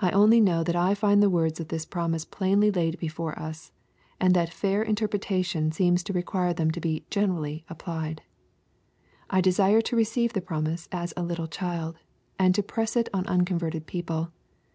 I only know that I find the words of this promise plainly laid before us, and that fair interpretation seems to re quire them to be generally appUed. I desire to receive the promise as a Uttle chUd, and to press it on unconverted people.